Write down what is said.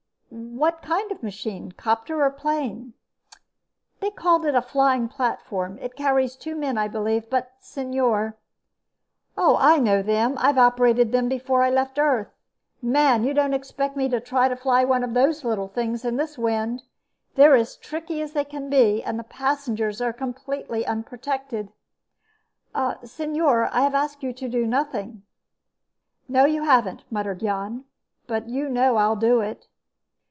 "What kind of machine? Copter or plane?" "They call it a flying platform. It carries two men, I believe. But, señor...." "I know them. I've operated them, before I left Earth. Man, you don't expect me to try to fly one of those little things in this wind? They're tricky as they can be, and the passengers are absolutely unprotected!" "Señor, I have asked you to do nothing." "No, you haven't," muttered Jan. "But you know I'll do it."